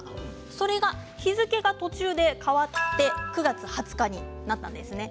それが日付が途中で変わって９月２０日になったんですね。